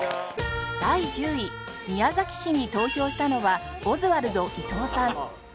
第１０位宮崎市に投票したのはオズワルド伊藤さん